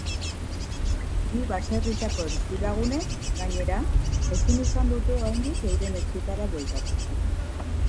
Bi baserritako bizilagunek, gainera, ezin izan dute oraindik euren etxeetara bueltatu.